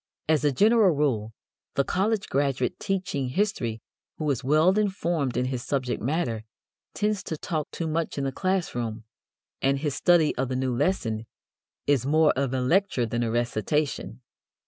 As a general rule the college graduate teaching history who is well informed in his subject matter tends to talk too much in the class room, and his study of the new lesson is more of a lecture than a recitation.